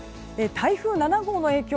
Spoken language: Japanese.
台風７号の影響